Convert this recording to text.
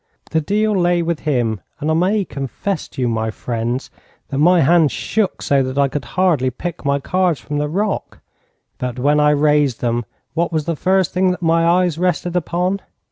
The deal lay with him, and I may confess to you, my friends, that my hands shook so that I could hardly pick my cards from the rock. But when I raised them, what was the first thing that my eyes rested upon?